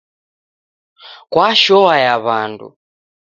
Kwashoa ya wandu